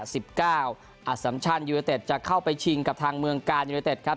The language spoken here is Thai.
อาสัมชันยูเนเต็ดจะเข้าไปชิงกับทางเมืองกายยูเนเต็ดครับ